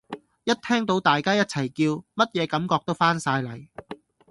一聽到大家一齊叫，乜野感覺都返晒黎！